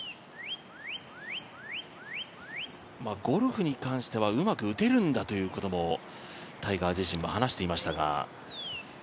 ゴルフに関してはうまく打てるんだということもタイガー自身も話していましたが。